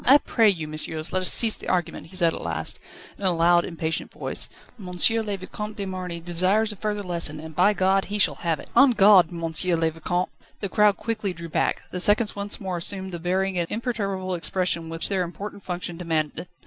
"I pray you, messieurs, let us cease the argument," he said at last, in a loud, impatient voice. "M. le Vicomte de Marny desires a further lesson, and, by God! he shall have it. En garde, M. le Vicomte!" The crowd quickly drew back. The seconds once more assumed the bearing and imperturbable expression which their important function demanded.